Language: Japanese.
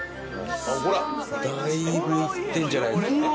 ほらだいぶいってるんじゃないですかね。